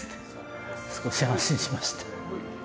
少し安心しました。